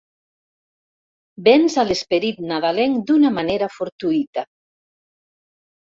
Vens a l'esperit nadalenc d'una manera fortuïta.